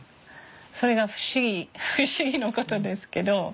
それが不思議なことですけど。